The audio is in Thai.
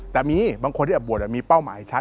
แต่มีบางคนที่บวชมีเป้าหมายชัด